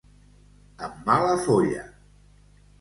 Amb mala folla.